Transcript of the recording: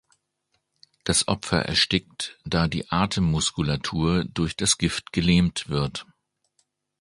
Das Opfer erstickt, da die Atemmuskulatur durch das Gift gelähmt wird.